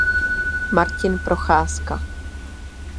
Martin Procházka.